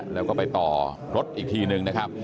แล้วก็ไปต่อรถอีกทีหนึ่งนะครับ